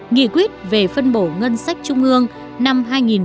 nghị quyết về phân bổ ngân sách trung ương năm hai nghìn một mươi bảy